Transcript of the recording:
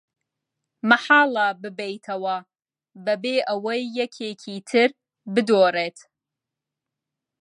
مەحاڵە ببەیتەوە بەبێ ئەوەی یەکێکی تر بدۆڕێت.